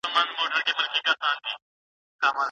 افغان ماشومان د مدني اعتراضونو قانوني اجازه نه لري.